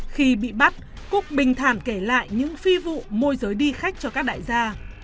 khi bị bắt cúc bình thản kể lại những phi vụ môi giới đi khách cho các đại gia